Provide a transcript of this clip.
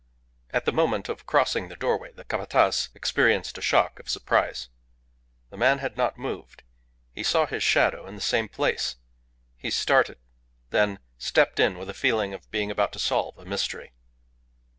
At the moment of crossing the doorway the Capataz experienced a shock of surprise. The man had not moved. He saw his shadow in the same place. He started, then stepped in with a feeling of being about to solve a mystery.